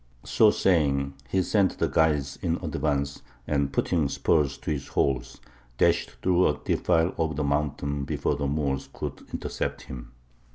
So saying, he sent the guides in advance, and, putting spurs to his horse, dashed through a defile of the mountain before the Moors could intercept him.